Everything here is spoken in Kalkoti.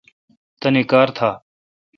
تانی کار تھا۔